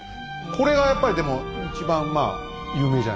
これがやっぱりでも一番まあ有名じゃないですか？